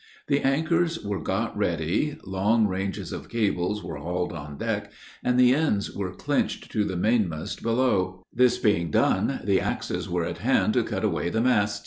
The anchors were got ready, long ranges of cables were hauled on deck, and the ends were clinched to the mainmast below; this being done, the axes were at hand to cut away the masts.